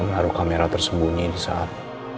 dia ngambil parenting arbiternya kerajaan